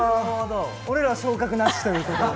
俺ら昇格なしということで。